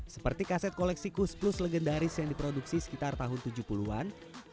seperti kaset koleksi kus plus legendaris yang diproduksi sekitar tahun tujuh puluh an